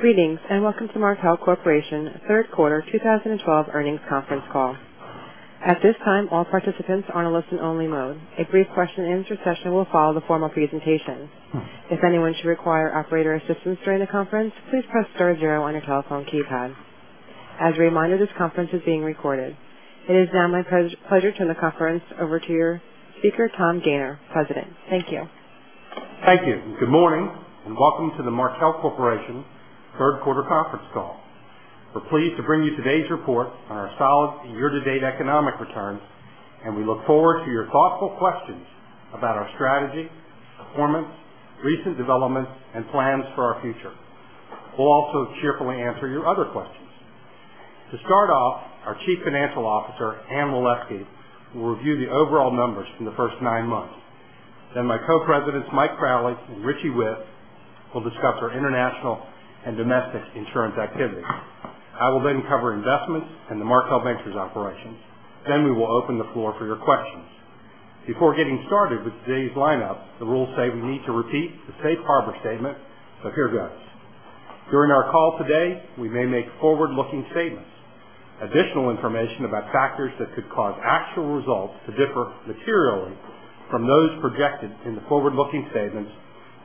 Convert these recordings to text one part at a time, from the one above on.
Greetings, welcome to Markel Corporation third quarter 2012 earnings conference call. At this time, all participants are in listen only mode. A brief question and answer session will follow the formal presentation. If anyone should require operator assistance during the conference, please press star zero on your telephone keypad. As a reminder, this conference is being recorded. It is now my pleasure to turn the conference over to your speaker, Tom Gayner, President. Thank you. Thank you. Good morning, welcome to the Markel Corporation third quarter conference call. We're pleased to bring you today's report on our solid year-to-date economic returns, we look forward to your thoughtful questions about our strategy, performance, recent developments, and plans for our future. We'll also cheerfully answer your other questions. To start off, our Chief Financial Officer, Anne Waleski, will review the overall numbers from the first nine months. My co-presidents, Mike Crowley and Richie Whitt, will discuss our international and domestic insurance activity. I will cover investments and the Markel Ventures operations. We will open the floor for your questions. Before getting started with today's lineup, the rules say we need to repeat the safe harbor statement, here goes. During our call today, we may make forward-looking statements. Additional information about factors that could cause actual results to differ materially from those projected in the forward-looking statements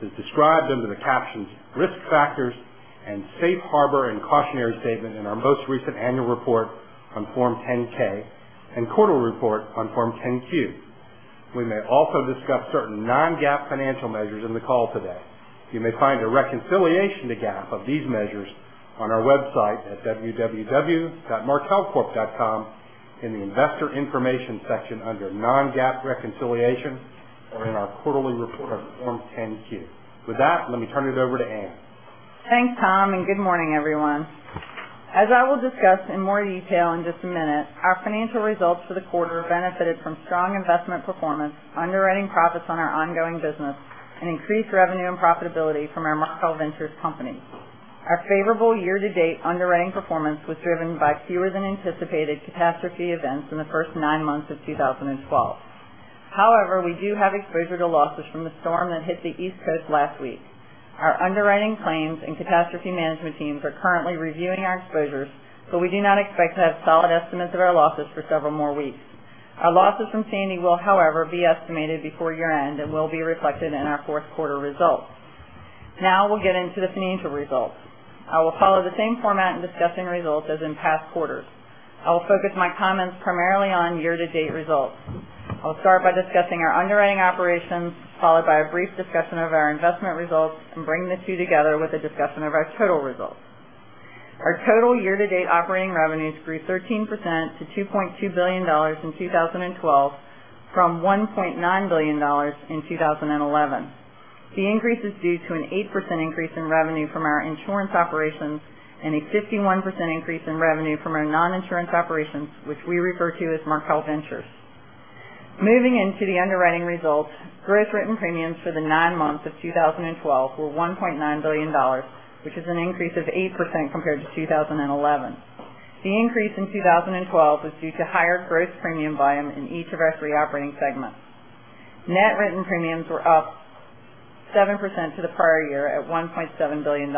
is described under the captions Risk Factors and Safe Harbor and Cautionary Statement in our most recent annual report on Form 10-K and quarterly report on Form 10-Q. We may also discuss certain non-GAAP financial measures in the call today. You may find a reconciliation to GAAP of these measures on our website at www.markelcorp.com in the investor information section under non-GAAP reconciliation or in our quarterly report on Form 10-Q. With that, let me turn it over to Anne. Thanks, Tom, good morning, everyone. As I will discuss in more detail in just a minute, our financial results for the quarter benefited from strong investment performance, underwriting profits on our ongoing business, and increased revenue and profitability from our Markel Ventures company. Our favorable year-to-date underwriting performance was driven by fewer than anticipated catastrophe events in the first nine months of 2012. We do have exposure to losses from the storm that hit the East Coast last week. Our underwriting claims and catastrophe management teams are currently reviewing our exposures, we do not expect to have solid estimates of our losses for several more weeks. Our losses from Sandy will, however, be estimated before year-end and will be reflected in our fourth quarter results. We'll get into the financial results. I will follow the same format in discussing results as in past quarters. I will focus my comments primarily on year-to-date results. I'll start by discussing our underwriting operations, followed by a brief discussion of our investment results, and bring the two together with a discussion of our total results. Our total year-to-date operating revenues grew 13% to $2.2 billion in 2012 from $1.9 billion in 2011. The increase is due to an 8% increase in revenue from our insurance operations and a 51% increase in revenue from our non-insurance operations, which we refer to as Markel Ventures. Moving into the underwriting results, gross written premiums for the nine months of 2012 were $1.9 billion, which is an increase of 8% compared to 2011. The increase in 2012 was due to higher gross premium volume in each of our three operating segments. Net written premiums were up 7% to the prior year at $1.7 billion.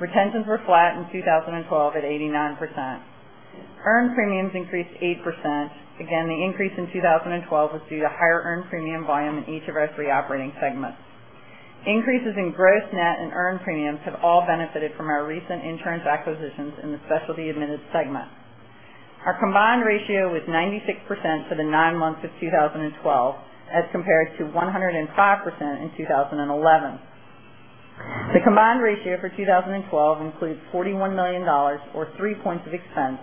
Retentions were flat in 2012 at 89%. Earned premiums increased 8%. The increase in 2012 was due to higher earned premium volume in each of our three operating segments. Increases in gross net and earned premiums have all benefited from our recent insurance acquisitions in the specialty admitted segment. Our combined ratio was 96% for the nine months of 2012 as compared to 105% in 2011. The combined ratio for 2012 includes $41 million, or three points of expense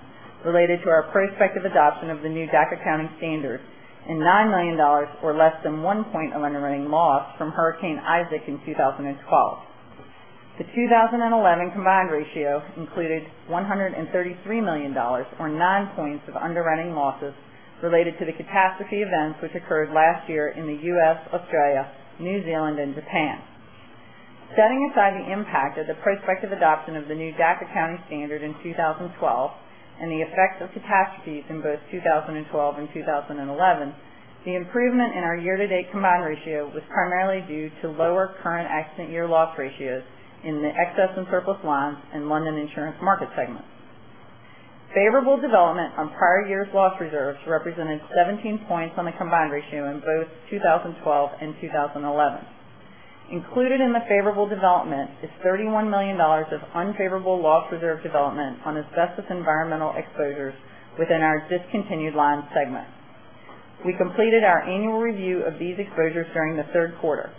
related to our prospective adoption of the new DAC accounting standard and $9 million, or less than one point of underwriting loss from Hurricane Isaac in 2012. The 2011 combined ratio included $133 million, or nine points of underwriting losses related to the catastrophe events which occurred last year in the U.S., Australia, New Zealand, and Japan. Setting aside the impact of the prospective adoption of the new DAC accounting standard in 2012 and the effects of catastrophes in both 2012 and 2011, the improvement in our year-to-date combined ratio was primarily due to lower current accident year loss ratios in the excess and surplus lines in London insurance market segments. Favorable development on prior years' loss reserves represented 17 points on the combined ratio in both 2012 and 2011. Included in the favorable development is $31 million of unfavorable loss reserve development on asbestos environmental exposures within our discontinued lines segment. We completed our annual review of these exposures during the third quarter.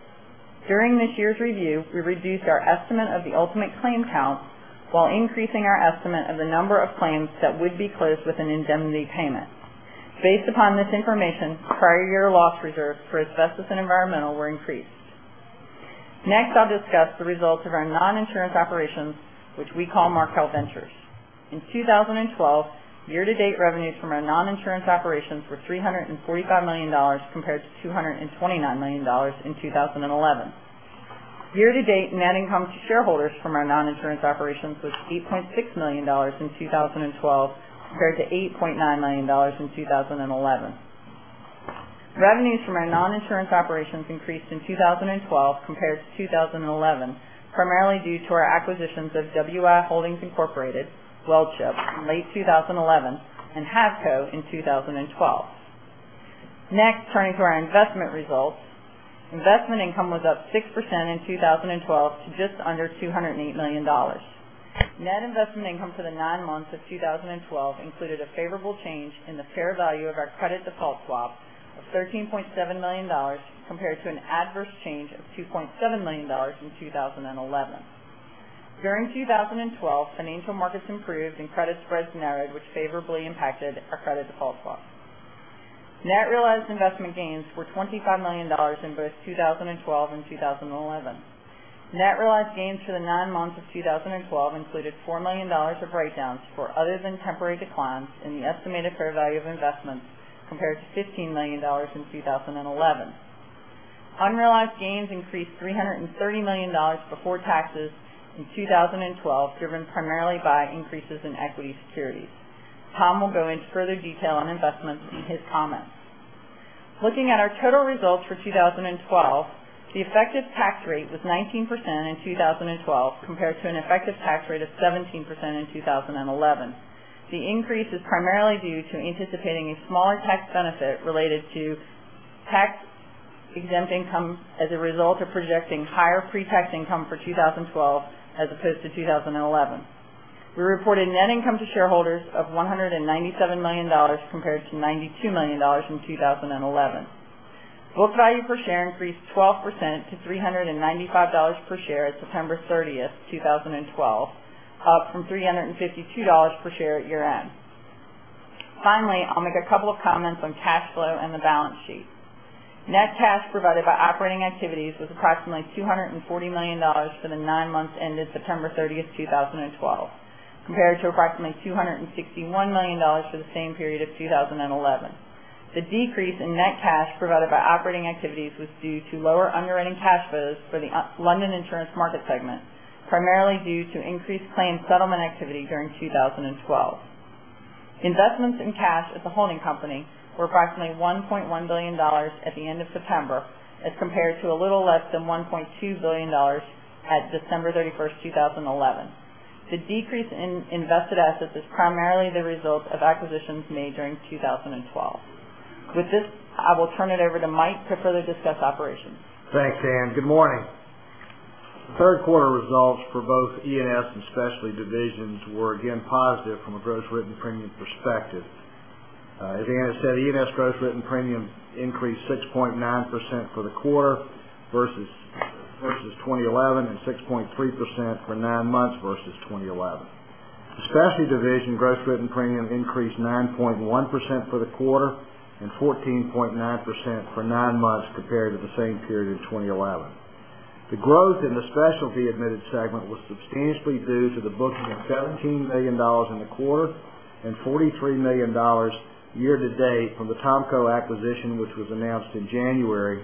During this year's review, we reduced our estimate of the ultimate claim count while increasing our estimate of the number of claims that would be closed with an indemnity payment. Based upon this information, prior year loss reserves for asbestos and environmental were increased. Next, I'll discuss the results of our non-insurance operations, which we call Markel Ventures. In 2012, year-to-date revenues from our non-insurance operations were $345 million compared to $229 million in 2011. Year to date, net income to shareholders from our non-insurance operations was $8.6 million in 2012 compared to $8.9 million in 2011. Revenues from our non-insurance operations increased in 2012 compared to 2011, primarily due to our acquisitions of WI Holdings Inc., Weldship in late 2011 and Havco in 2012. Next, turning to our investment results. Investment income was up 6% in 2012 to just under $208 million. Net investment income for the nine months of 2012 included a favorable change in the fair value of our credit default swap of $13.7 million, compared to an adverse change of $2.7 million in 2011. During 2012, financial markets improved and credit spreads narrowed, which favorably impacted our credit default swap. Net realized investment gains were $25 million in both 2012 and 2011. Net realized gains for the nine months of 2012 included $4 million of write-downs for other than temporary declines in the estimated fair value of investments, compared to $15 million in 2011. Unrealized gains increased $330 million before taxes in 2012, driven primarily by increases in equity securities. Tom will go into further detail on investments in his comments. Looking at our total results for 2012, the effective tax rate was 19% in 2012 compared to an effective tax rate of 17% in 2011. The increase is primarily due to anticipating a smaller tax benefit related to tax-exempt income as a result of projecting higher pre-tax income for 2012 as opposed to 2011. We reported net income to shareholders of $197 million compared to $92 million in 2011. Book value per share increased 12% to $395 per share at September 30, 2012, up from $352 per share at year-end. Finally, I'll make a couple of comments on cash flow and the balance sheet. Net cash provided by operating activities was approximately $240 million for the nine months ended September 30, 2012, compared to approximately $261 million for the same period of 2011. The decrease in net cash provided by operating activities was due to lower underwriting cash flows for the London insurance market segment, primarily due to increased claim settlement activity during 2012. Investments in cash at the holding company were approximately $1.1 billion at the end of September as compared to a little less than $1.2 billion at December 31, 2011. The decrease in invested assets is primarily the result of acquisitions made during 2012. With this, I will turn it over to Mike to further discuss operations. Thanks, Anne. Good morning. Third quarter results for both E&S and specialty divisions were again positive from a gross written premium perspective. As Anne said, E&S gross written premium increased 6.9% for the quarter versus 2011 and 6.3% for nine months versus 2011. The specialty division gross written premium increased 9.1% for the quarter and 14.9% for nine months compared to the same period in 2011. The growth in the specialty admitted segment was substantially due to the booking of $17 million in the quarter and $43 million year to date from the THOMCO acquisition, which was announced in January,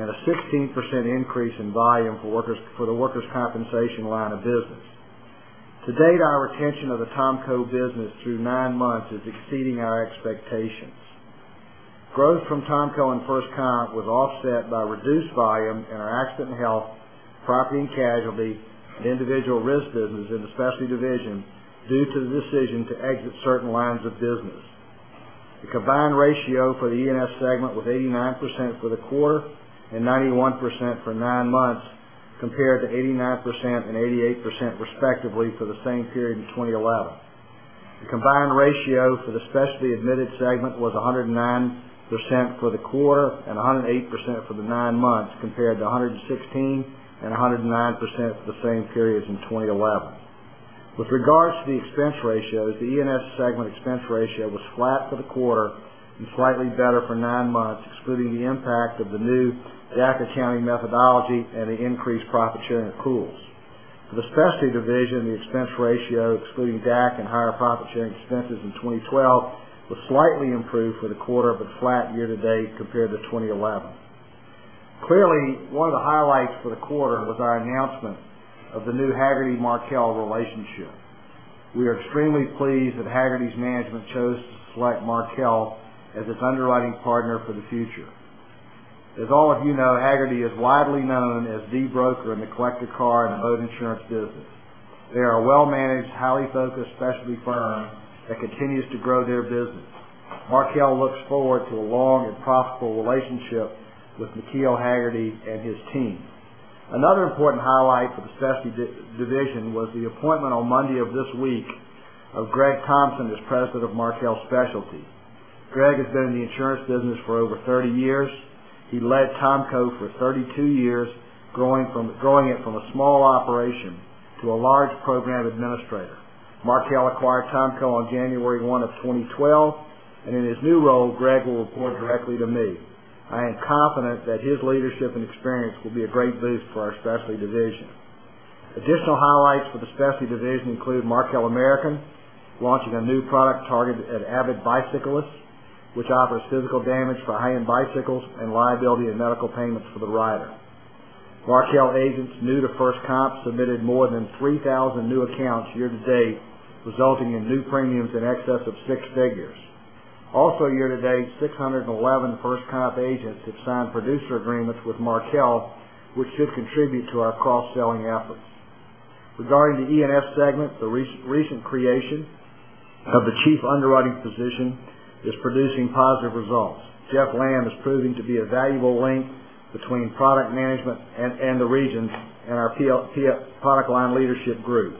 and a 16% increase in volume for the workers' compensation line of business. To date, our retention of the THOMCO business through nine months is exceeding our expectations. Growth from THOMCO and FirstComp was offset by reduced volume in our A&H, property and casualty, and individual risk business in the specialty division due to the decision to exit certain lines of business. The combined ratio for the E&S segment was 89% for the quarter and 91% for nine months, compared to 89% and 88%, respectively, for the same period in 2011. The combined ratio for the specialty admitted segment was 109% for the quarter and 108% for the nine months, compared to 116% and 109% for the same periods in 2011. With regards to the expense ratios, the E&S segment expense ratio was flat for the quarter and slightly better for nine months, excluding the impact of the new DAC accounting methodology and the increased profit-sharing pools. For the specialty division, the expense ratio, excluding DAC and higher profit-sharing expenses in 2012, was slightly improved for the quarter, but flat year to date compared to 2011. Clearly, one of the highlights for the quarter was our announcement of the new Hagerty Markel relationship. We are extremely pleased that Hagerty's management chose to select Markel as its underwriting partner for the future. As all of you know, Hagerty is widely known as the broker in the collector car and boat insurance business. They are a well-managed, highly focused specialty firm that continues to grow their business. Markel looks forward to a long and profitable relationship with McKeel Hagerty and his team. Another important highlight for the specialty division was the appointment on Monday of this week of Greg Thompson as President of Markel Specialty. Greg has been in the insurance business for over 30 years. He led THOMCO for 32 years, growing it from a small operation to a large program administrator. Markel acquired THOMCO on January 1 of 2012, and in his new role, Greg will report directly to me. I am confident that his leadership and experience will be a great boost for our specialty division. Additional highlights for the specialty division include Markel American launching a new product targeted at avid bicyclists, which offers physical damage for high-end bicycles and liability and medical payments for the rider. Markel agents new to FirstComp submitted more than 3,000 new accounts year-to-date, resulting in new premiums in excess of six figures. Also year-to-date, 611 FirstComp agents have signed producer agreements with Markel, which should contribute to our cross-selling efforts. Regarding the E&S segment, the recent creation of the chief underwriting position is producing positive results. Jeff Lamb is proving to be a valuable link between product management and the regions in our product line leadership group.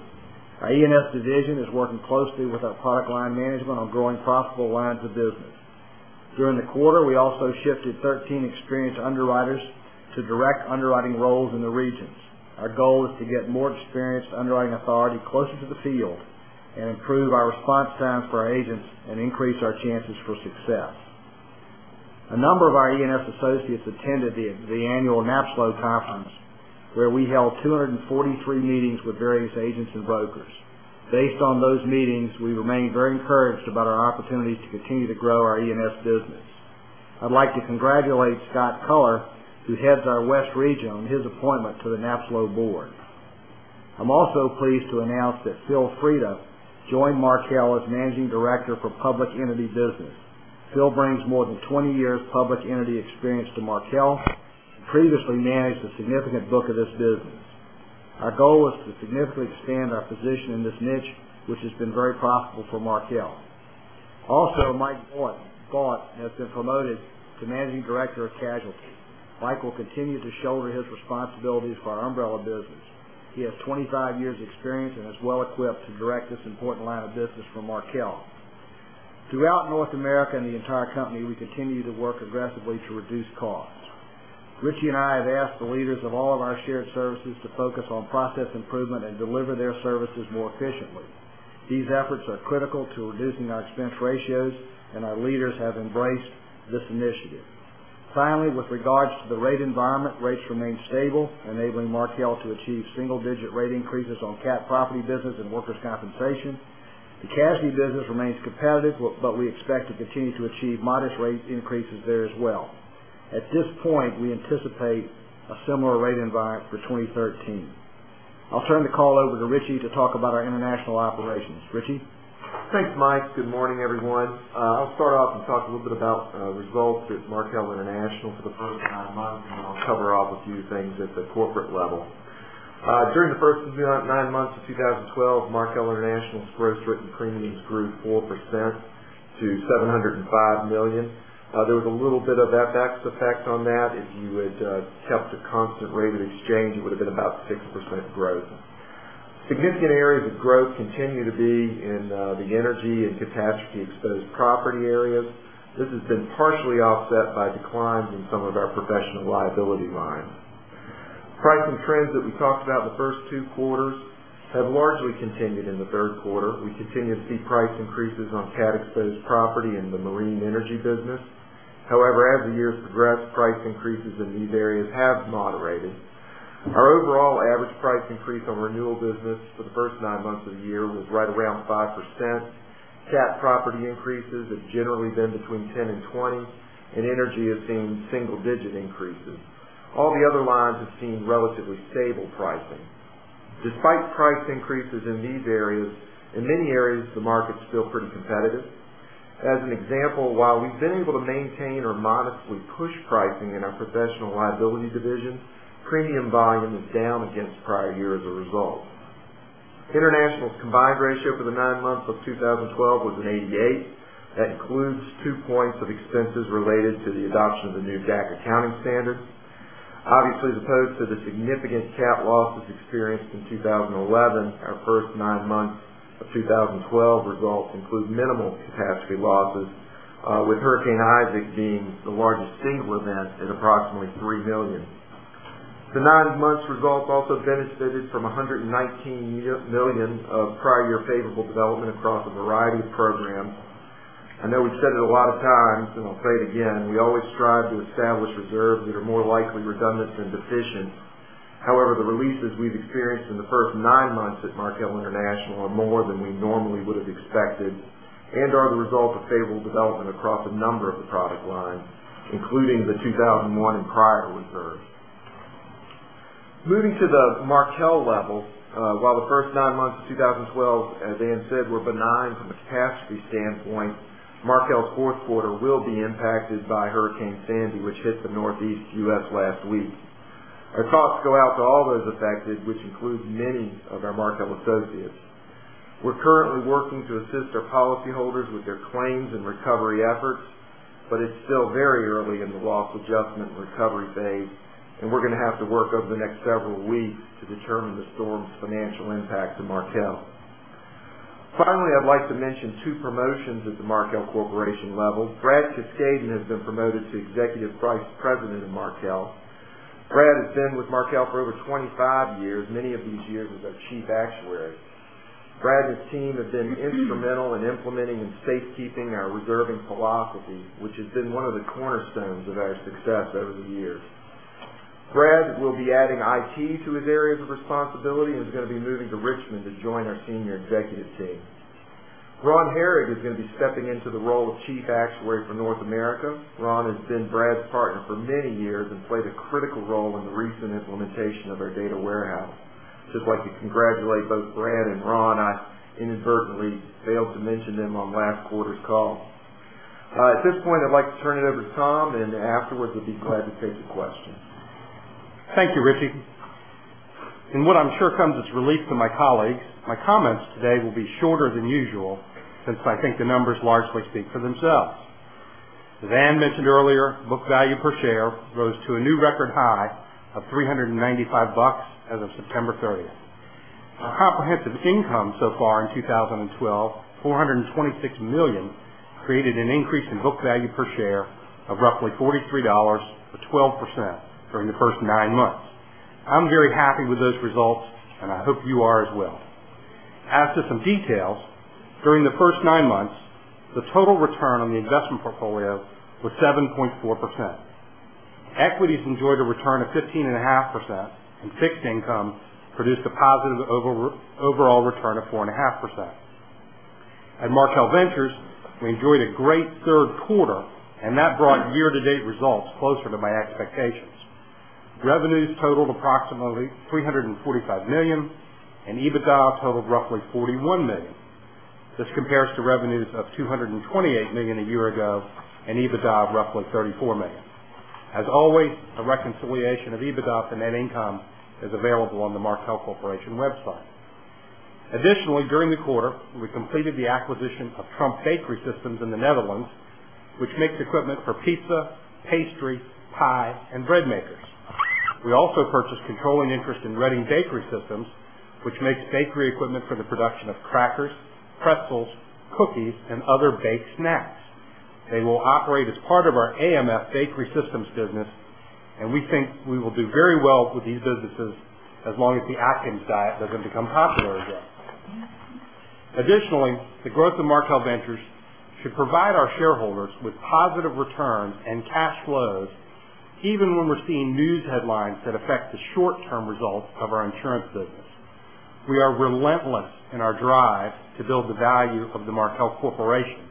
Our E&S division is working closely with our product line management on growing profitable lines of business. During the quarter, we also shifted 13 experienced underwriters to direct underwriting roles in the regions. Our goal is to get more experienced underwriting authority closer to the field and improve our response times for our agents and increase our chances for success. A number of our E&S associates attended the annual NAPSLO conference, where we held 243 meetings with various agents and brokers. Based on those meetings, we remain very encouraged about our opportunities to continue to grow our E&S business. I'd like to congratulate Scott Culler, who heads our West Region, on his appointment to the NAPSLO board. I'm also pleased to announce that Phil Freda joined Markel as Managing Director for Public Entity Business. Phil brings more than 20 years of public entity experience to Markel, and previously managed a significant book of this business. Our goal is to significantly expand our position in this niche, which has been very profitable for Markel. Also, Mike Gaunt has been promoted to Managing Director of Casualty. Mike will continue to shoulder his responsibilities for our umbrella business. He has 25 years of experience and is well-equipped to direct this important line of business for Markel. Throughout North America and the entire company, we continue to work aggressively to reduce costs. Richie and I have asked the leaders of all of our shared services to focus on process improvement and deliver their services more efficiently. These efforts are critical to reducing our expense ratios, and our leaders have embraced this initiative. Finally, with regards to the rate environment, rates remain stable, enabling Markel to achieve single-digit rate increases on cat property business and workers' compensation. The casualty business remains competitive, but we expect to continue to achieve modest rate increases there as well. At this point, we anticipate a similar rate environment for 2013. I'll turn the call over to Richie to talk about our international operations. Richie? Thanks, Mike. Good morning, everyone. I'll start off and talk a little bit about results at Markel International for the first nine months, and then I'll cover a few things at the corporate level. During the first nine months of 2012, Markel International's gross written premiums grew 4% to $705 million. There was a little bit of FX effect on that. If you had kept a constant rate of exchange, it would've been about 6% growth. Significant areas of growth continue to be in the energy and catastrophe exposed property areas. This has been partially offset by declines in some of our professional liability lines. Pricing trends that we talked about in the first two quarters have largely continued in the third quarter. We continue to see price increases on cat exposed property in the marine energy business. However, as the year's progressed, price increases in these areas have moderated. Our overall average price increase on renewal business for the first nine months of the year was right around 5%. Cat property increases have generally been between 10% and 20%, and energy has seen single-digit increases. All the other lines have seen relatively stable pricing. Despite price increases in these areas, in many areas, the market's still pretty competitive. As an example, while we've been able to maintain or modestly push pricing in our professional liability division, premium volume is down against prior year as a result. International's combined ratio for the nine months of 2012 was an 88. That includes two points of expenses related to the adoption of the new DAC accounting standard. Obviously, as opposed to the significant cat losses experienced in 2011, our first nine months of 2012 results include minimal catastrophe losses, with Hurricane Isaac being the largest single event at approximately $3 million. The nine months results also benefited from $119 million of prior year favorable development across a variety of programs. I know we've said it a lot of times. I'll say it again, we always strive to establish reserves that are more likely redundant than deficient. However, the releases we've experienced in the first nine months at Markel International are more than we normally would have expected and are the result of favorable development across a number of the product lines, including the 2001 and prior reserves. Moving to the Markel level, while the first nine months of 2012, as Dan said, were benign from a catastrophe standpoint, Markel's fourth quarter will be impacted by Hurricane Sandy, which hit the Northeast U.S. last week. Our thoughts go out to all those affected, which includes many of our Markel associates. We're currently working to assist our policyholders with their claims and recovery efforts. It's still very early in the loss adjustment and recovery phase, and we're going to have to work over the next several weeks to determine the storm's financial impact to Markel. Finally, I'd like to mention two promotions at the Markel Corporation level. Brad Kiscaden has been promoted to Executive Vice President of Markel. Brad has been with Markel for over 25 years, many of these years as our chief actuary. Brad and his team have been instrumental in implementing and safekeeping our reserving philosophy, which has been one of the cornerstones of our success over the years. Brad will be adding IT to his areas of responsibility and is going to be moving to Richmond to join our senior executive team. Ron Herrig is going to be stepping into the role of Chief Actuary for North America. Ron has been Brad's partner for many years and played a critical role in the recent implementation of our data warehouse. I'd just like to congratulate both Brad and Ron. I inadvertently failed to mention them on last quarter's call. At this point, I'd like to turn it over to Tom. Afterwards, he'll be glad to take the questions. Thank you, Richie. In what I'm sure comes as relief to my colleagues, my comments today will be shorter than usual since I think the numbers largely speak for themselves. As Ann mentioned earlier, book value per share rose to a new record high of $395 as of September 30th. Our comprehensive income so far in 2012, $426 million, created an increase in book value per share of roughly $43 or 12% during the first nine months. I'm very happy with those results. I hope you are as well. As to some details, during the first nine months, the total return on the investment portfolio was 7.4%. Equities enjoyed a return of 15.5%. Fixed income produced a positive overall return of 4.5%. At Markel Ventures, we enjoyed a great third quarter. That brought year-to-date results closer to my expectations. Revenues totaled approximately $345 million, EBITDA totaled roughly $41 million. This compares to revenues of $228 million a year ago and EBITDA of roughly $34 million. As always, a reconciliation of EBITDA for net income is available on the Markel Corporation website. Additionally, during the quarter, we completed the acquisition of Tromp Bakery Systems in the Netherlands, which makes equipment for pizza, pastry, pie, and bread makers. We also purchased controlling interest in Reading Bakery Systems, which makes bakery equipment for the production of crackers, pretzels, cookies, and other baked snacks. They will operate as part of our AMF Bakery Systems business, we think we will do very well with these businesses as long as the Atkins diet doesn't become popular again. Additionally, the growth of Markel Ventures should provide our shareholders with positive returns and cash flows even when we're seeing news headlines that affect the short-term results of our insurance business. We are relentless in our drive to build the value of the Markel Corporation,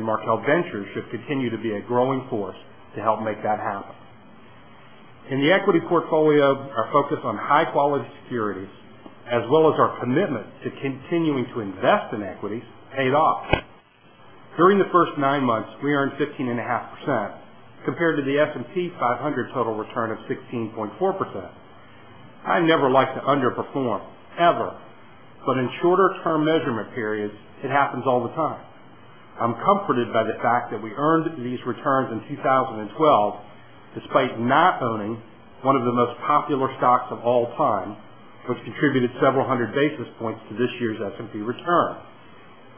Markel Ventures should continue to be a growing force to help make that happen. In the equity portfolio, our focus on high-quality securities, as well as our commitment to continuing to invest in equities, paid off. During the first nine months, we earned 15.5% compared to the S&P 500 total return of 16.4%. I never like to underperform, ever, in shorter term measurement periods, it happens all the time. I'm comforted by the fact that we earned these returns in 2012 despite not owning one of the most popular stocks of all time, which contributed several hundred basis points to this year's S&P return.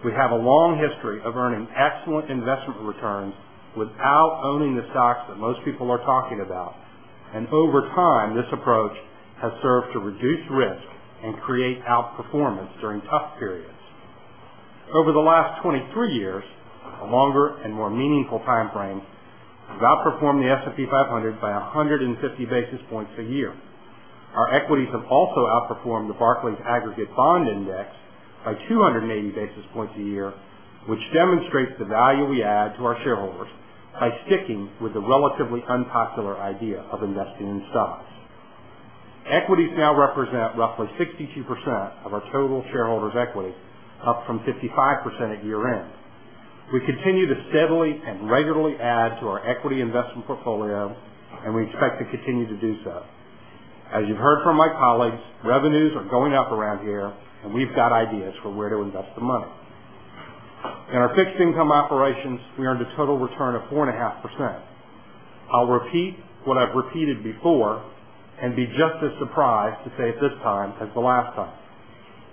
We have a long history of earning excellent investment returns without owning the stocks that most people are talking about. Over time, this approach has served to reduce risk and create outperformance during tough periods. Over the last 23 years, a longer and more meaningful timeframe, we've outperformed the S&P 500 by 150 basis points a year. Our equities have also outperformed the Barclays Aggregate Bond Index by 280 basis points a year, which demonstrates the value we add to our shareholders by sticking with the relatively unpopular idea of investing in stocks. Equities now represent roughly 62% of our total shareholders' equity, up from 55% at year-end. We continue to steadily and regularly add to our equity investment portfolio, we expect to continue to do so. As you've heard from my colleagues, revenues are going up around here, we've got ideas for where to invest the money. In our fixed income operations, we earned a total return of 4.5%. I'll repeat what I've repeated before, be just as surprised to say it this time as the last time.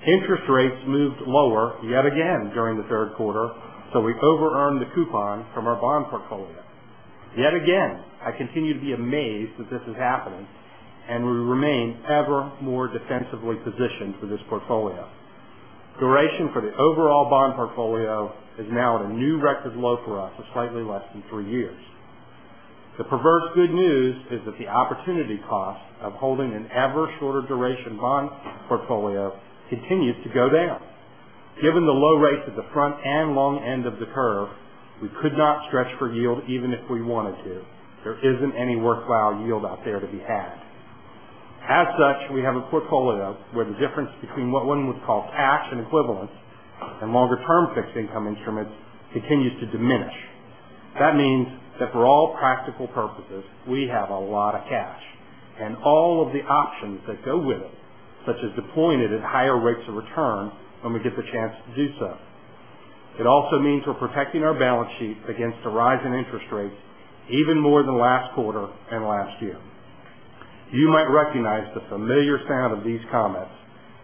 Interest rates moved lower yet again during the third quarter, we over-earned the coupon from our bond portfolio. Yet again, I continue to be amazed that this is happening, we remain ever more defensively positioned for this portfolio. Duration for the overall bond portfolio is now at a new record low for us of slightly less than three years. The perverse good news is that the opportunity cost of holding an average shorter duration bond portfolio continues to go down. Given the low rates at the front and long end of the curve, we could not stretch for yield even if we wanted to. There isn't any worthwhile yield out there to be had. As such, we have a portfolio where the difference between what one would call cash and equivalents and longer-term fixed income instruments continues to diminish. That means that for all practical purposes, we have a lot of cash and all of the options that go with it, such as deploying it at higher rates of return when we get the chance to do so. It also means we're protecting our balance sheet against a rise in interest rates even more than last quarter and last year. You might recognize the familiar sound of these comments.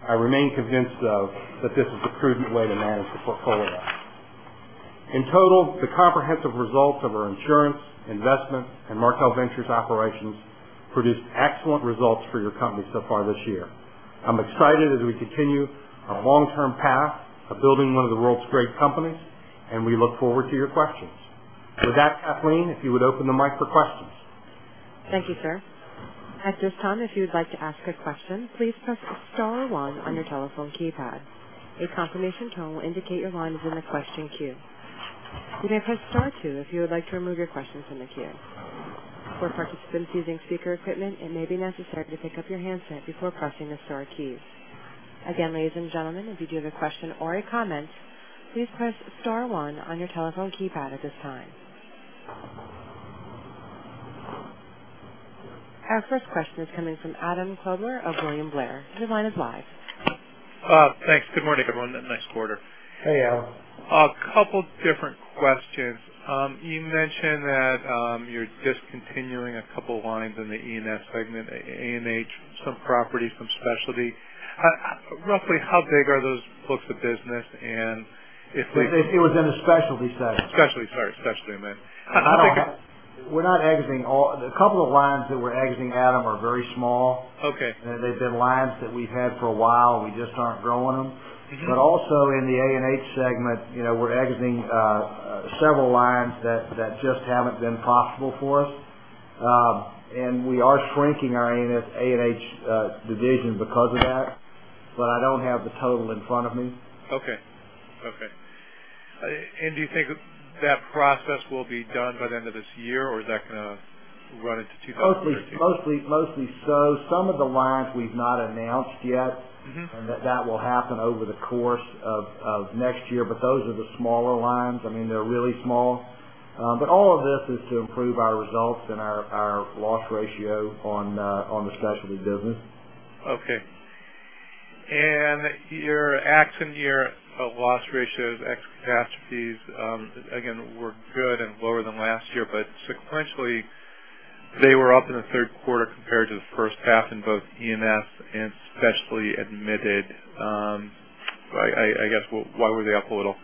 I remain convinced, though, that this is a prudent way to manage the portfolio. In total, the comprehensive results of our insurance, investment, and Markel Ventures operations produced excellent results for your company so far this year. I'm excited as we continue our long-term path of building one of the world's great companies. We look forward to your questions. With that, Kathleen, if you would open the mic for questions Thank you, sir. At this time, if you would like to ask a question, please press star 1 on your telephone keypad. A confirmation tone will indicate your line is in the question queue. You may press star 2 if you would like to remove your question from the queue. For participants using speaker equipment, it may be necessary to pick up your handset before pressing the star keys. Again, ladies and gentlemen, if you do have a question or a comment, please press star 1 on your telephone keypad at this time. Our first question is coming from Adam Klauber of William Blair. Your line is live. Thanks. Good morning, everyone. Nice quarter. Hey, Adam. A couple different questions. You mentioned that you're discontinuing a couple lines in the E&S segment, A&H, some properties from Specialty. Roughly how big are those books of business? It was in the Specialty segment. Specialty, sorry. Specialty, I meant. We're not exiting all. A couple of lines that we're exiting, Adam, are very small. Okay. They've been lines that we've had for a while. We just aren't growing them. Also in the A&H segment, we're exiting several lines that just haven't been profitable for us. We are shrinking our A&H division because of that, I don't have the total in front of me. Okay. Do you think that process will be done by the end of this year, or is that going to run into 2015? Mostly so. Some of the lines we've not announced yet. That will happen over the course of next year. Those are the smaller lines. They're really small. All of this is to improve our results and our loss ratio on the specialty business. Okay. Your action year loss ratios, ex catastrophes, again, were good and lower than last year, but sequentially, they were up in the third quarter compared to the first half in both E&S and specialty admitted. I guess, why were they up a little?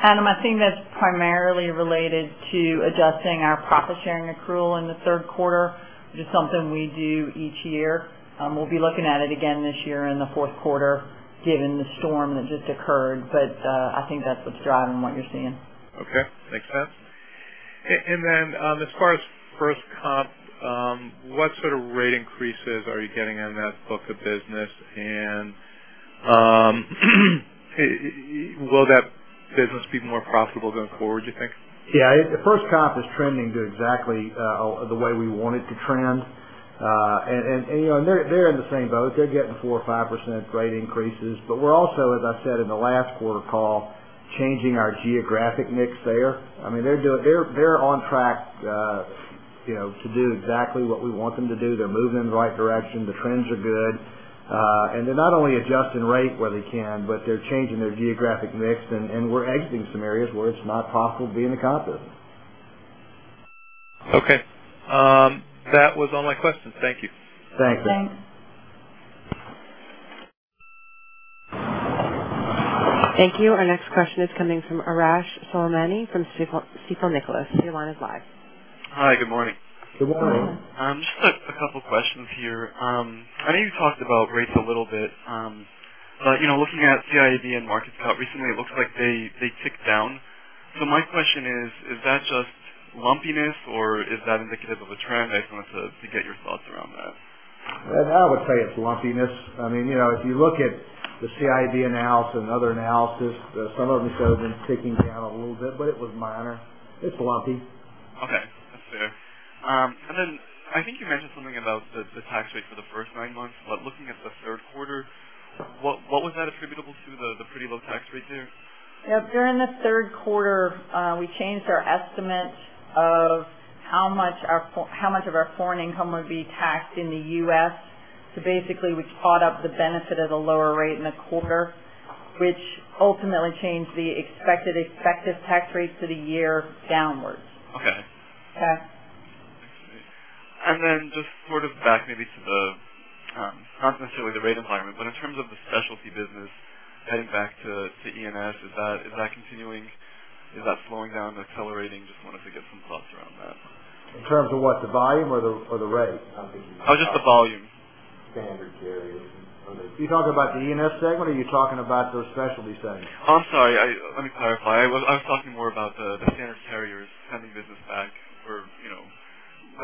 Adam, I think that's primarily related to adjusting our profit-sharing accrual in the third quarter, which is something we do each year. We'll be looking at it again this year in the fourth quarter given the storm that just occurred. I think that's what's driving what you're seeing. Okay. Makes sense. As far as FirstComp, what sort of rate increases are you getting on that book of business, and will that business be more profitable going forward, do you think? Yeah. FirstComp is trending exactly the way we want it to trend. They're in the same boat. They're getting 4% or 5% rate increases. We're also, as I said in the last quarter call, changing our geographic mix there. They're on track to do exactly what we want them to do. They're moving in the right direction. The trends are good. They're not only adjusting rate where they can, but they're changing their geographic mix, and we're exiting some areas where it's not profitable to be in the comp set. Okay. That was all my questions. Thank you. Thanks. Thanks. Thank you. Our next question is coming from Arash Soleimani from Stifel Financial Corp. Your line is live. Hi, good morning. Good morning. Just a couple of questions here. I know you talked about rates a little bit. Looking at CIAB and MarketScout recently, it looks like they ticked down. My question is that just lumpiness, or is that indicative of a trend? I just wanted to get your thoughts around that. I would say it's lumpiness. If you look at the CIAB analysis and other analysis, some of them show them ticking down a little bit, but it was minor. It's lumpy. Okay. That's fair. I think you mentioned something about the tax rate for the first nine months, but looking at the third quarter, what was that attributable to, the pretty low tax rate there? During the third quarter, we changed our estimate of how much of our foreign income would be taxed in the U.S. Basically, we caught up the benefit of the lower rate in the quarter, which ultimately changed the expected effective tax rates for the year downwards. Okay. Okay. Just sort of back maybe to the, not necessarily the rate environment, but in terms of the specialty business heading back to E&S, is that continuing? Is that slowing down? Accelerating? Just wanted to get some thoughts around that. In terms of what? The volume or the rate? Just the volume. You're talking about the E&S segment, or are you talking about the specialty segment? I'm sorry. Let me clarify. I was talking more about the standard carriers sending business back or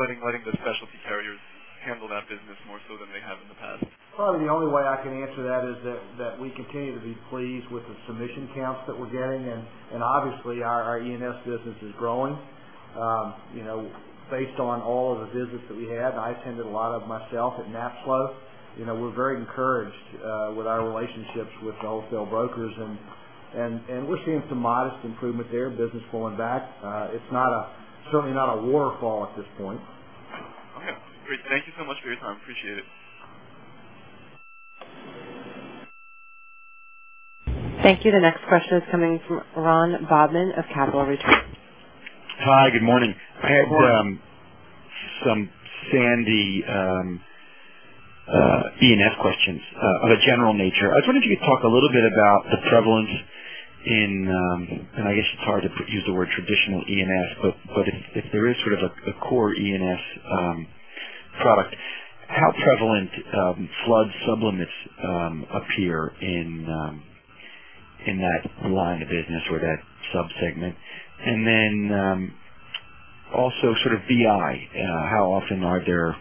letting the specialty carriers handle that business more so than they have in the past. Probably the only way I can answer that is that we continue to be pleased with the submission counts that we're getting. Obviously, our E&S business is growing. Based on all of the visits that we had, and I attended a lot of them myself at NAPSLO, we're very encouraged with our relationships with the wholesale brokers, and we're seeing some modest improvement there, business flowing back. It's certainly not a waterfall at this point. Okay. Great. Thank you so much for your time. Appreciate it. Thank you. The next question is coming from Ron Bobman of Capital Returns. Hi, good morning. Good morning. I had some Hurricane Sandy E&S questions of a general nature. I was wondering if you could talk a little bit about the prevalence in, and I guess it's hard to use the word traditional E&S, but if there is sort of a core E&S product, how prevalent flood sublimits appear in that line of business or that sub-segment. Also sort of BI, how often are there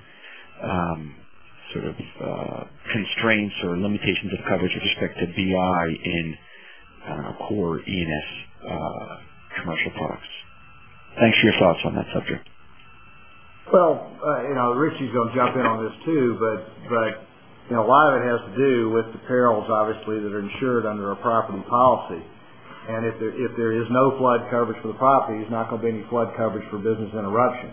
constraints or limitations of coverage with respect to BI in core E&S commercial products? Thanks for your thoughts on that subject. Richie's going to jump in on this too, but a lot of it has to do with the perils, obviously, that are insured under a property policy. If there is no flood coverage for the property, there's not going to be any flood coverage for business interruption.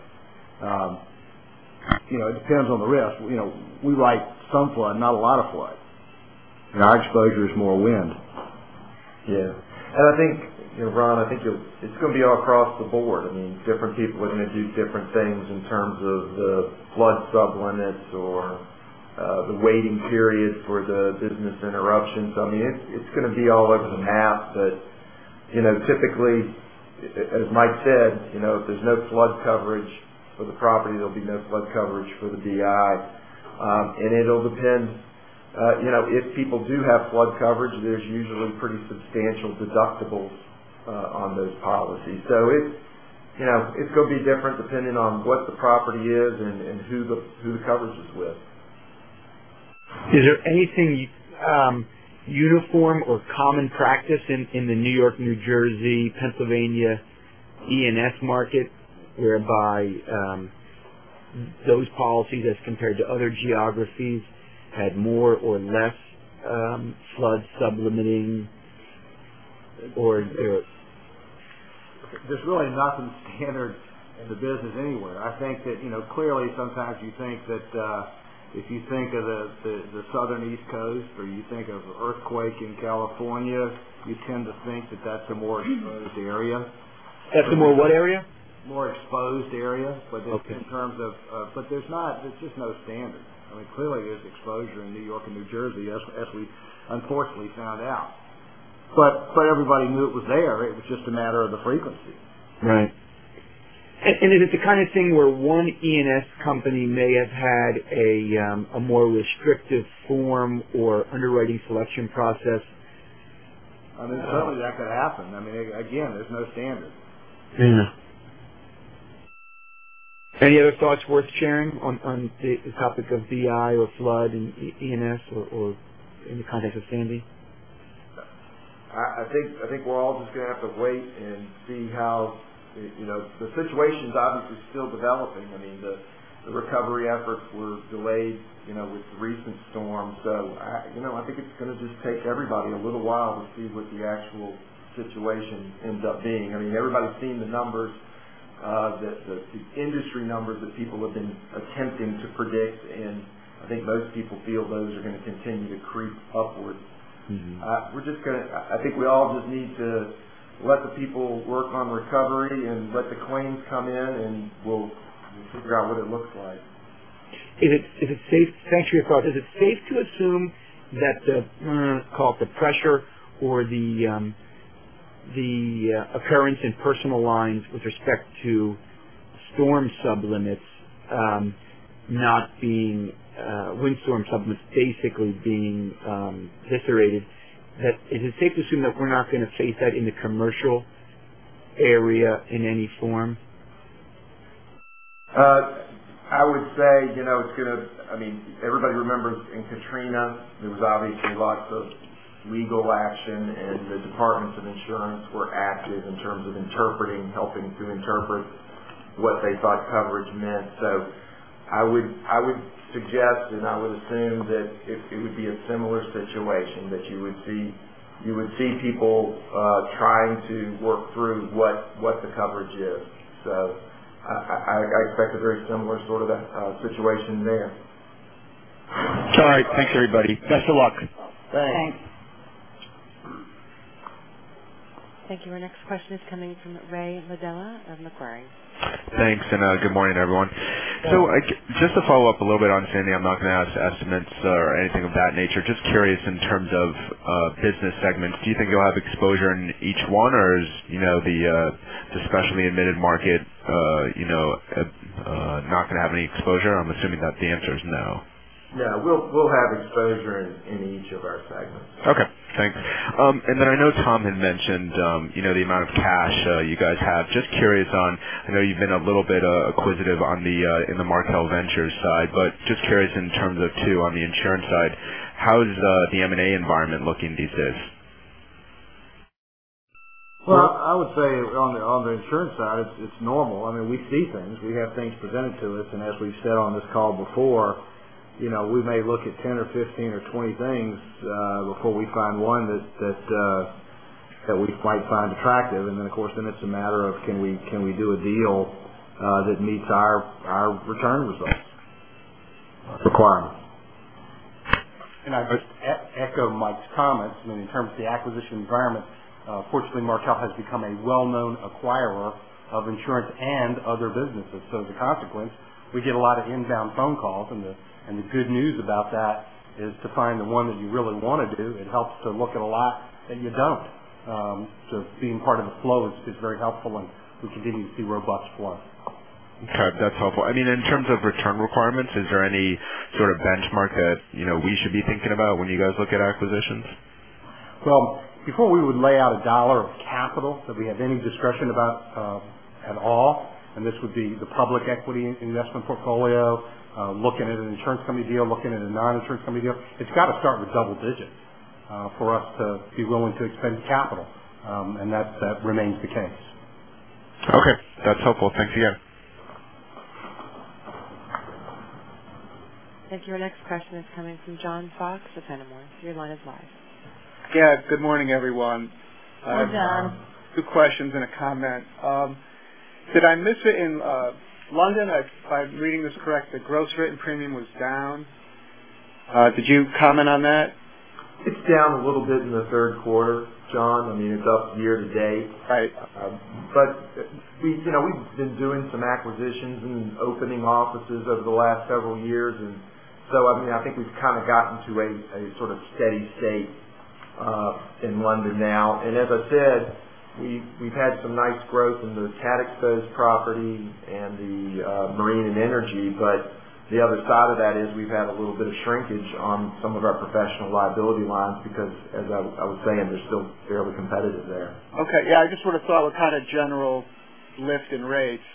It depends on the risk. We like some flood, not a lot of flood. Our exposure is more wind. I think, Ron, it's going to be all across the board. Different people are going to do different things in terms of the flood sublimits or the waiting period for the business interruptions. It's going to be all over the map, but typically, as Mike said, if there's no flood coverage for the property, there'll be no flood coverage for the BI. It'll depend if people do have flood coverage, there's usually pretty substantial deductibles on those policies. It's going to be different depending on what the property is and who the coverage is with. Is there anything uniform or common practice in the New York, New Jersey, Pennsylvania E&S market whereby those policies, as compared to other geographies, had more or less flood sublimiting or? There's really nothing standard in the business anywhere. I think that clearly sometimes you think that if you think of the southern East Coast or you think of earthquake in California, you tend to think that that's a more exposed area. That's a more what area? More exposed area. Okay. There's just no standard. Clearly there's exposure in New York and New Jersey, as we unfortunately found out. Everybody knew it was there. It was just a matter of the frequency. Right. Is it the kind of thing where one E&S company may have had a more restrictive form or underwriting selection process? I mean, certainly that could happen. Again, there's no standard. Yeah. Any other thoughts worth sharing on the topic of BI or flood in E&S or in the context of Sandy? I think we're all just going to have to wait and see how. The situation's obviously still developing. The recovery efforts were delayed with recent storms. I think it's going to just take everybody a little while to see what the actual situation ends up being. Everybody's seen the numbers, the industry numbers that people have been attempting to predict, and I think most people feel those are going to continue to creep upwards. I think we all just need to let the people work on recovery and let the claims come in, and we'll figure out what it looks like. Thanks for your thoughts. Is it safe to assume that the, call it the pressure or the appearance in personal lines with respect to windstorm sublimits basically being eviscerated. Is it safe to assume that we're not going to face that in the commercial area in any form? I would say Everybody remembers in Katrina, there was obviously lots of legal action, and the departments of insurance were active in terms of helping to interpret what they thought coverage meant. I would suggest, and I would assume that it would be a similar situation, that you would see people trying to work through what the coverage is. I expect a very similar sort of situation there. All right. Thanks, everybody. Best of luck. Thanks. Thanks. Thank you. Our next question is coming from Ray Iardella of Macquarie. Thanks. Good morning, everyone. Good morning. Just to follow up a little bit on Hurricane Sandy, I'm not going to ask estimates or anything of that nature. Just curious in terms of business segments, do you think you'll have exposure in each one, or is the specialty admitted market not going to have any exposure? I'm assuming that the answer is no. No, we'll have exposure in each of our segments. Okay, thanks. I know Tom had mentioned the amount of cash you guys have. Just curious on, I know you've been a little bit acquisitive in the Markel Ventures side, but just curious in terms of, too, on the insurance side, how is the M&A environment looking these days? Well, I would say on the insurance side, it's normal. We see things. We have things presented to us, as we've said on this call before, we may look at 10 or 15 or 20 things before we find one that we quite find attractive. Of course, then it's a matter of can we do a deal that meets our return results requirements. I just echo Mike's comments. In terms of the acquisition environment, fortunately, Markel has become a well-known acquirer of insurance and other businesses. As a consequence, we get a lot of inbound phone calls, and the good news about that is to find the one that you really want to do, it helps to look at a lot that you don't. Being part of the flow is very helpful, and we continue to see robust flow. That's helpful. In terms of return requirements, is there any sort of benchmark that we should be thinking about when you guys look at acquisitions? Well, before we would lay out a dollar of capital that we have any discretion about at all, and this would be the public equity investment portfolio, looking at an insurance company deal, looking at a non-insurance company deal. It's got to start with double-digit for us to be willing to expend capital, and that remains the case. Okay, that's helpful. Thanks again. Thank you. Our next question is coming from John Fox of Fenimore. Your line is live. Yeah. Good morning, everyone. Good John. Two questions and a comment. Did I miss it in London? If I'm reading this correct, the gross written premium was down. Did you comment on that? It's down a little bit in the third quarter, John. It's up year-to-date. Right. We've been doing some acquisitions and opening offices over the last several years, so I think we've kind of gotten to a sort of steady state in London now. As I said, we've had some nice growth in the cat exposed property and the marine and energy. The other side of that is we've had a little bit of shrinkage on some of our professional liability lines because as I was saying, they're still fairly competitive there. Okay. Yeah, I just sort of thought with kind of general lift in rates,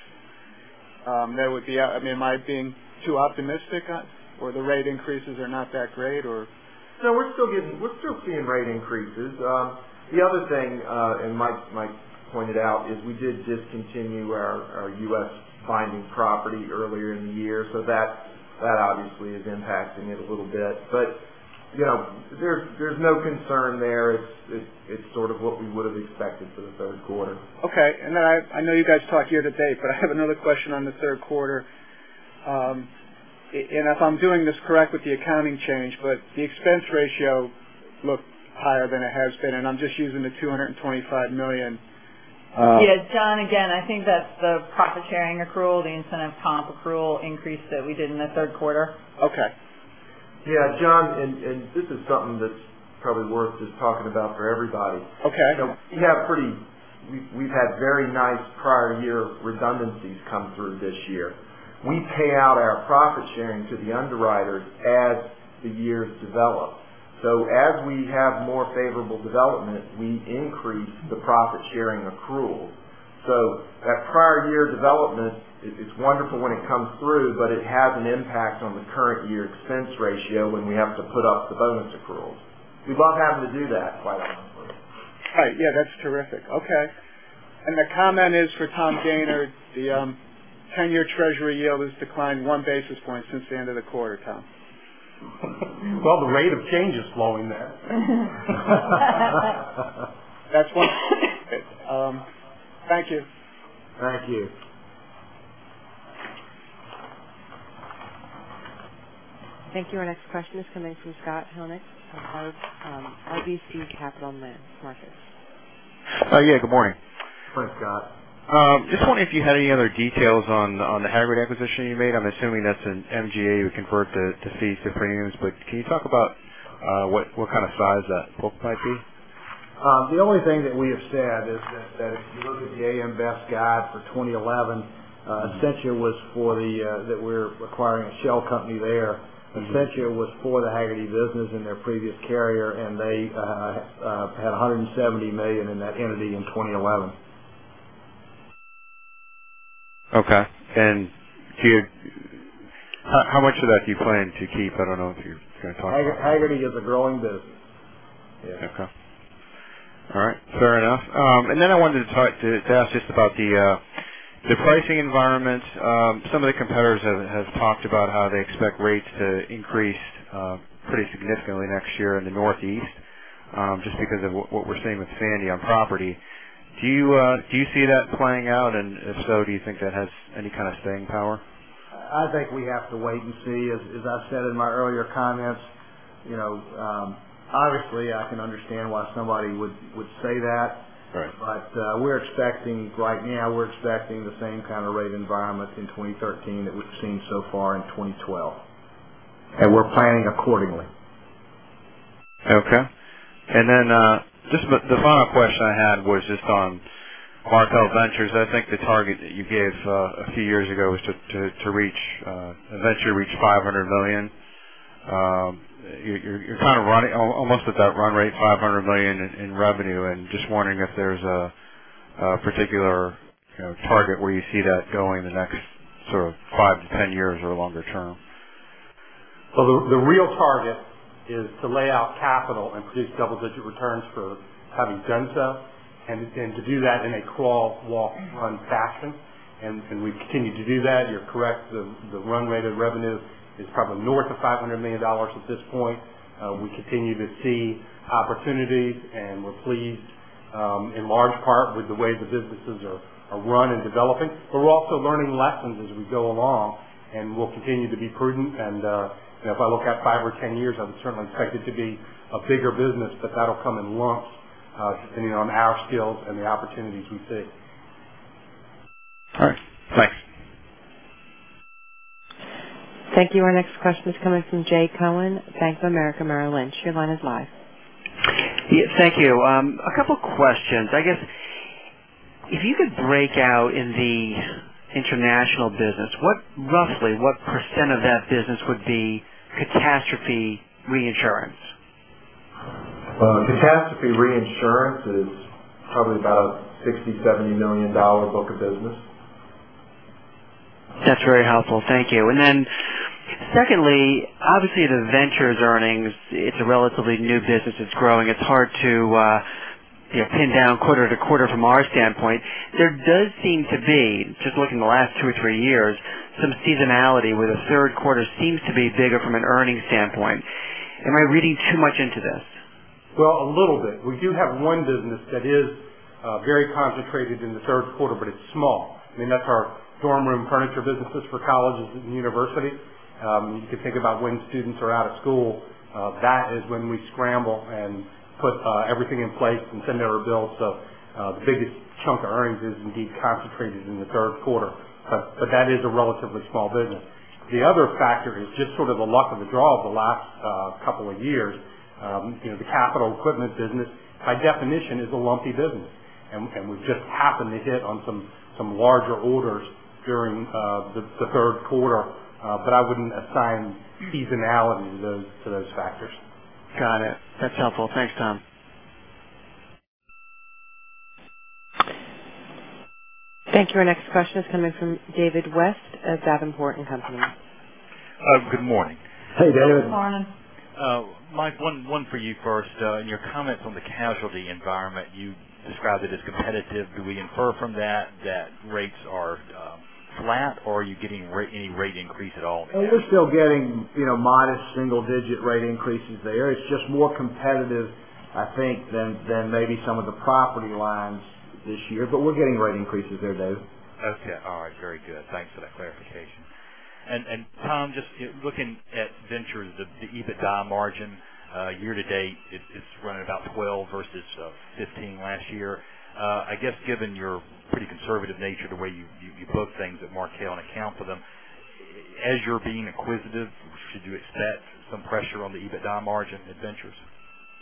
am I being too optimistic, or the rate increases are not that great? No, we're still seeing rate increases. The other thing and Mike pointed out, is we did discontinue our U.S. binding property earlier in the year. That obviously is impacting it a little bit. There's no concern there. It's sort of what we would have expected for the third quarter. Okay. I know you guys talked year to date, I have another question on the third quarter. If I'm doing this correct with the accounting change, the expense ratio looked higher than it has been, I'm just using the $225 million. Yeah, John, again, I think that's the profit-sharing accrual, the incentive comp accrual increase that we did in the third quarter. Okay. Yeah. John, this is something that's probably worth just talking about for everybody. Okay. We've had very nice prior year redundancies come through this year. We pay out our profit sharing to the underwriters as the years develop. As we have more favorable development, we increase the profit-sharing accrual. That prior year development, it's wonderful when it comes through, but it has an impact on the current year expense ratio when we have to put up the bonus accruals. We love having to do that, quite honestly. Right. Yeah, that's terrific. Okay. The comment is for Tom Gayner. The 10-year treasury yield has declined one basis point since the end of the quarter, Tom. Well, the rate of change is slowing there. That's why. Thank you. Thank you. Thank you. Our next question is coming from Scott Heleniak of RBC Capital Markets. Yeah, good morning. Morning, Scott. Just wondering if you had any other details on the Hagerty acquisition you made. I'm assuming that's an MGA you convert to fees to premiums. Can you talk about what kind of size that book might be? The only thing that we have said is that if you look at the AM Best Guide for 2011, Essentia was that we're acquiring a shell company there. Essentia was for the Hagerty business and their previous carrier, and they had $170 million in that entity in 2011. Okay. How much of that do you plan to keep? I don't know if you're going to talk about that. Hagerty is a growing business. Okay. All right. Fair enough. I wanted to ask just about the pricing environment. Some of the competitors have talked about how they expect rates to increase pretty significantly next year in the Northeast just because of what we're seeing with Sandy on property. Do you see that playing out, and if so, do you think that has any kind of staying power? I think we have to wait and see. As I've said in my earlier comments, obviously I can understand why somebody would say that. Right. Right now we're expecting the same kind of rate environment in 2013 that we've seen so far in 2012, and we're planning accordingly. Okay. Just the final question I had was just on Markel Ventures. I think the target that you gave a few years ago was to eventually reach $500 million. You're kind of almost at that run rate, $500 million in revenue, and just wondering if there's a particular target where you see that going the next sort of 5-10 years or longer term. The real target is to lay out capital and produce double-digit returns for having done so, and to do that in a crawl, walk, run fashion. We continue to do that. You're correct, the run rate of revenue is probably north of $500 million at this point. We continue to see opportunities, and we're pleased in large part with the way the businesses are run and developing. We're also learning lessons as we go along, and we'll continue to be prudent. If I look out 5 or 10 years, I would certainly expect it to be a bigger business, but that'll come in lumps depending on our skills and the opportunities we see. All right, thanks. Thank you. Our next question is coming from Jay Cohen, Bank of America Merrill Lynch. Your line is live. Thank you. A couple questions. I guess, if you could break out in the international business, roughly what % of that business would be catastrophe reinsurance? Catastrophe reinsurance is probably about a $60, $70 million book of business. That's very helpful. Thank you. Secondly, obviously the Ventures earnings, it's a relatively new business that's growing. It's hard to pin down quarter to quarter from our standpoint. There does seem to be, just looking the last two or three years, some seasonality where the third quarter seems to be bigger from an earnings standpoint. Am I reading too much into this? Well, a little bit. We do have one business that is very concentrated in the third quarter, but it's small, and that's our dorm room furniture business. It's for colleges and universities. You can think about when students are out of school. That is when we scramble and put everything in place and send out our bills. The biggest chunk of earnings is indeed concentrated in the third quarter. That is a relatively small business. The other factor is just sort of the luck of the draw of the last couple of years. The capital equipment business, by definition, is a lumpy business, and we've just happened to hit on some larger orders during the third quarter. I wouldn't assign seasonality to those factors. Got it. That's helpful. Thanks, Tom. Thank you. Our next question is coming from David West of Davenport & Company. Good morning. Hey, David. Good morning. Mike, one for you first. In your comments on the casualty environment, you described it as competitive. Do we infer from that that rates are flat, or are you getting any rate increase at all? We're still getting modest single-digit rate increases there. It's just more competitive, I think, than maybe some of the property lines this year. We're getting rate increases there, David. Okay. All right. Very good. Thanks for that clarification. Tom, just looking at Ventures, the EBITDA margin year-to-date, it's running about 12 versus 15 last year. I guess given your pretty conservative nature, the way you book things at Markel and account for them, as you're being acquisitive, should you expect some pressure on the EBITDA margin in Ventures?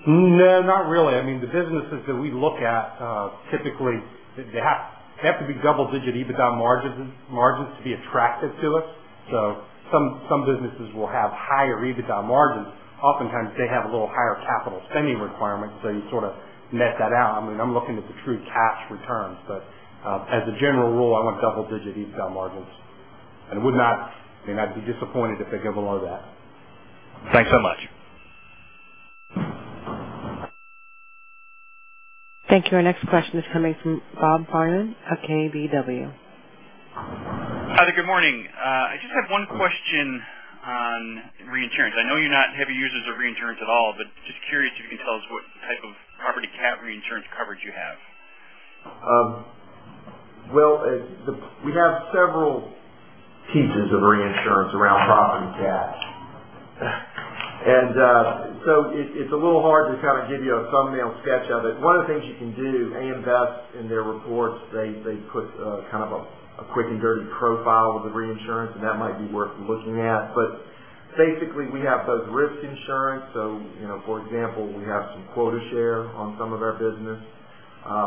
No, not really. The businesses that we look at, typically, they have to be double-digit EBITDA margins to be attractive to us. Some businesses will have higher EBITDA margins. Oftentimes, they have a little higher capital spending requirements, so you sort of net that out. I'm looking at the true cash returns. As a general rule, I want double-digit EBITDA margins, and I'd be disappointed if they go below that. Thanks so much. Thank you. Our next question is coming from Robert Farnam of KBW. Hi there, good morning. I just have one question on reinsurance. I know you're not heavy users of reinsurance at all, just curious if you can tell us what type of property CAT reinsurance coverage you have. Well, we have several pieces of reinsurance around property CAT. It's a little hard to kind of give you a thumbnail sketch of it. One of the things you can do, AM Best in their reports, they put kind of a quick and dirty profile of the reinsurance, that might be worth looking at. Basically, we have both risk insurance. For example, we have some quota share on some of our business.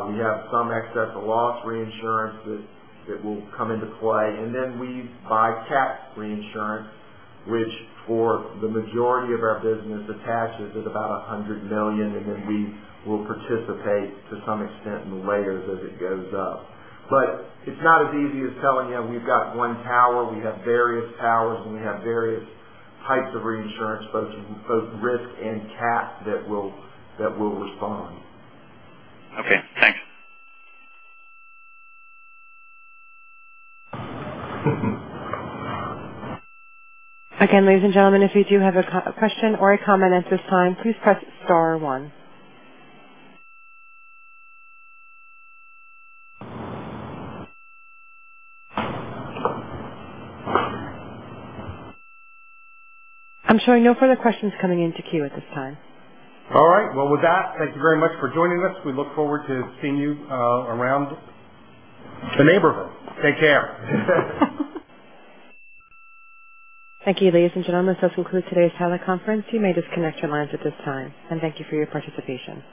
We have some excess of loss reinsurance that will come into play. Then we buy CAT reinsurance, which for the majority of our business attaches at about $100 million, then we will participate to some extent in the layers as it goes up. It's not as easy as telling you we've got one tower. We have various towers, we have various types of reinsurance, both risk and CAT, that will respond. Okay, thanks. Again, ladies and gentlemen, if you do have a question or a comment at this time, please press star one. I'm showing no further questions coming into queue at this time. All right. Well, with that, thank you very much for joining us. We look forward to seeing you around the neighborhood. Take care. Thank you, ladies and gentlemen. This will conclude today's teleconference. You may disconnect your lines at this time, and thank you for your participation.